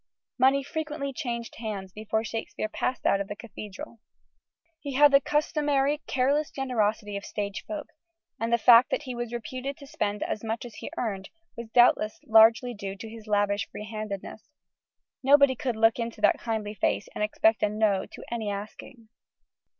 Money frequently changed hands before Shakespeare passed out of the Cathedral. He had the customary careless generosity of stage folk, and the fact that he was reputed to spend as much as he earned was doubtless largely due to his lavish freehandedness. Nobody could look into that kindly face and expect a No to any asking.